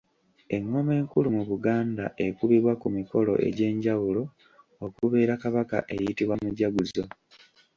Engoma enkulu mu Buganda ekubibwa ku mikolo egy’enjawulo okubeera Kabaka eyitibwa Mujaguzo.